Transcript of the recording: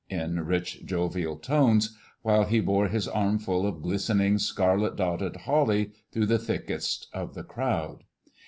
in rich, jovial tones, while he bore his armful of glistening, scarlet dotted holly through the thickest of the crowd.